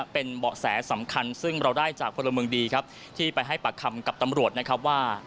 เป็นเบาะแสสำคัญซึ่งเราได้จากฮดีที่ไปให้ปรักคำกับตำรวจว่า